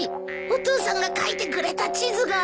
お父さんが描いてくれた地図が。